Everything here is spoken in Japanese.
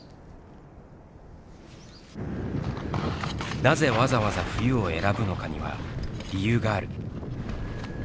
なぜわざわざ冬を選ぶのかには理由がある。